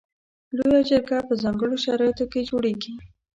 لویه جرګه په ځانګړو شرایطو کې جوړیږي.